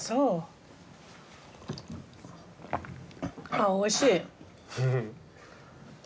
あおいしい。